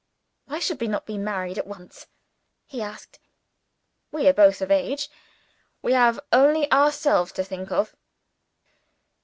"Why should we not be married at once?" he asked. "We are both of age. We have only ourselves to think of."